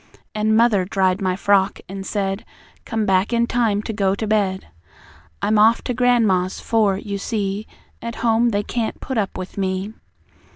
An' mother dried my frock, an' said: 'Come back in time to go to bed.' I'm off to gran'ma's, for, you see, At home, they can't put up with me.